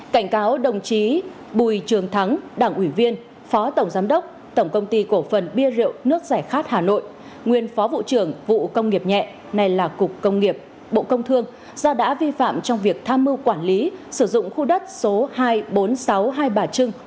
cảnh cáo đồng chí bùi trường thắng đảng ủy viên phó tổng giám đốc tổng công ty cổ phần bia rượu nước giải khát hà nội nguyên phó vụ trưởng vụ công nghiệp nhẹ nay là cục công nghiệp bộ công thương do đã vi phạm trong việc tham mưu quản lý sử dụng khu đất số hai trăm bốn mươi sáu hai bà trưng